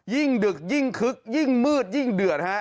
ดึกยิ่งคึกยิ่งมืดยิ่งเดือดฮะ